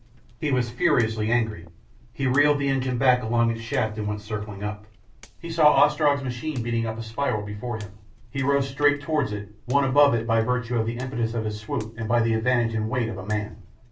He was furiously angry. He reeled the engine back along its shaft and went circling up. He saw Ostrog's machine beating up a spiral before him. He rose straight towards it, won above it by virtue of the impetus of his swoop and by the advantage and weight of a man.